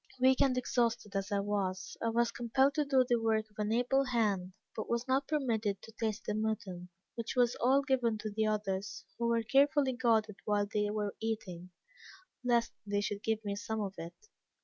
"Weak and exhausted as I was, I was compelled to do the work of an able hand, but was not permitted to taste the mutton, which was all given to the others, who were carefully guarded whilst they were eating, lest they should give me some of it."